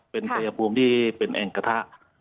เป็นชายภูมิที่เป็นแอ่งกระทะ